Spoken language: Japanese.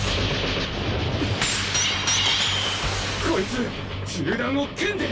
こいつ銃弾を剣で。